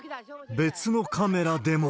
別のカメラでも。